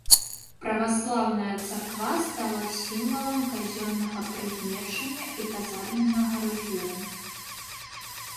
Праваслаўная царква стала сімвалам казённага прыгнечання і казарменнага рэжыму.